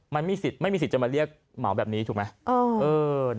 มันไม่มีสิทธิ์จะมาเรียกเหมาแบบนี้ถูกไหม